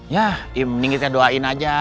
ya ya mending kita doain saja